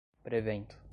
prevento